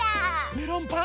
メロンパン？